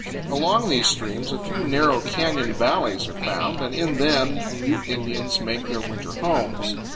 Along these streams a few narrow canyon valleys are found, and in them Ute Indians make their winter homes.